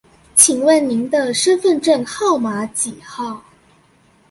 請問您的身分證號碼幾號